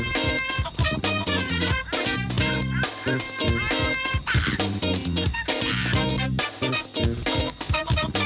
กระตากระตา